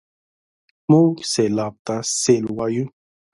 موږ سېلاب ته سېل وايو.